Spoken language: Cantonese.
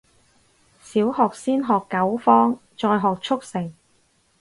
小學先學九方，再學速成